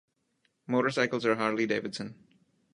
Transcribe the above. Motorcycles are Harley Davidson.